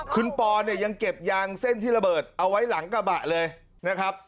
คุณปอนเนี่ยยังเก็บยางเส้นที่ระเบิดเอาไว้หลังกระบะเลยนะครับ